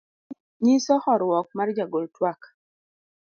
kido ni nyiso horuok mar jagol twak